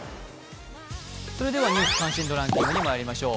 「ニュース関心度ランキング」にまいりましょう。